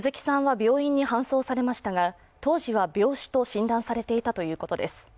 鈴木さんは病院に搬送されましたが、当時は病死と診断されていたということです。